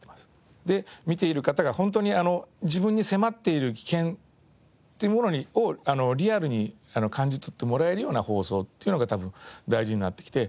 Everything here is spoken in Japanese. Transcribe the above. で見ている方が本当に自分に迫っている危険というものをリアルに感じ取ってもらえるような放送っていうのが多分大事になってきて。